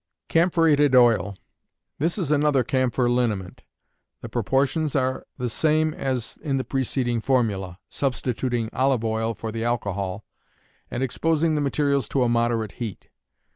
Camphorated Oil. This is another camphor liniment. The proportions are the same as in the preceding formula, substituting olive oil for the alcohol, and exposing the materials to a moderate heat.